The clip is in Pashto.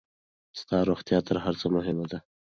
ستا روغتيا تر هر څۀ مهمه ده.